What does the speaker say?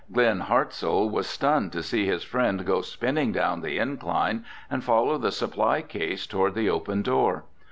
Glen Hartzell was stunned to see his friend go spinning down the incline and follow the supply case toward the open door.